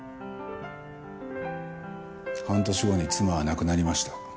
半年後に妻は亡くなりました。